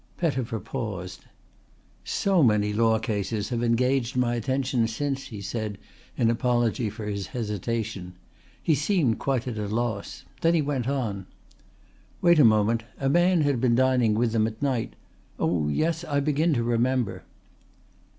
Pettifer paused. "So many law cases have engaged my attention since," he said in apology for his hesitation. He seemed quite at a loss. Then he went on: "Wait a moment! A man had been dining with them at night oh yes, I begin to remember."